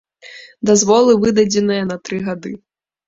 Дазволы выдадзеныя на тры гады.